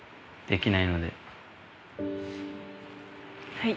はい。